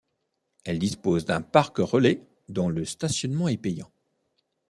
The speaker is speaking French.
Elle dispose d'un parc relais dont le stationnement est payant.